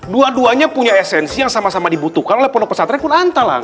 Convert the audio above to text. dua duanya punya esensi yang sama sama dibutuhkan oleh pondok pesantren pun antalan